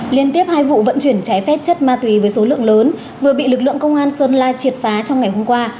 liên tiếp hai vụ vận chuyển trái phép chất ma túy với số lượng lớn vừa bị lực lượng công an sơn la triệt phá trong ngày hôm qua